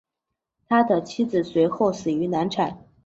他的妻子随后死于难产。